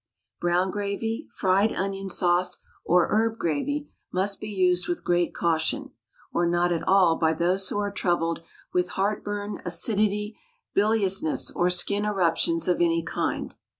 Brown Gravy, Fried Onion Sauce, or Herb Gravy must be used with great caution, or not at all by those who are troubled with heartburn, acidity, biliousness, or skin eruptions of any kind.